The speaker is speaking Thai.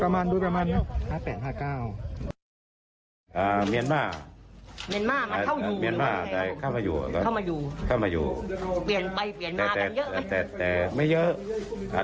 เมียนมาเปล่าผมอยู่ตอนตั้งแต่ไม่เยอะ